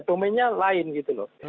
domainnya lain gitu loh